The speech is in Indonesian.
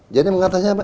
jadi mengatasnya apa